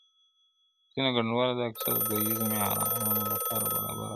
ځينو ګډونوالو دا کيسه د دوديزو معيارونو له پاره برابره ونه بلله-